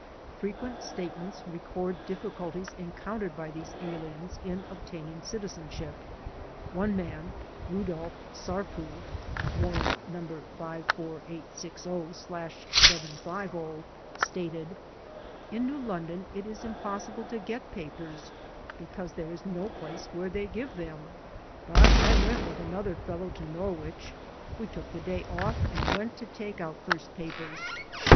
* Frequent statements record difficulties encoim tered by these aliens in obtaining citizenship. One man, Rudolph Sarpu (Warrant No. 54860/750), stated: "In New London it is impossible to get papers, because there is no place where they give them, but I went with another fellow to Norwich. We took the day off and went to take out first papers.